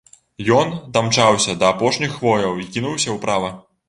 Ён дамчаўся да апошніх хвояў і кінуўся ўправа.